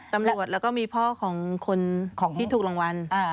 ตำรวจแล้วก็มีพ่อของที่ถูกรางวัล